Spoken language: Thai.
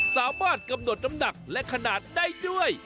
สามารถกำหนดน้ำหนักและขนาดได้ด้วย